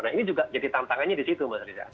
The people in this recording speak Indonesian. nah ini juga jadi tantangannya di situ mas reza